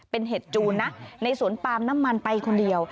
เป็นเห็ดจูนนะในสวนปาล์มน้ำมันไปคนเดียว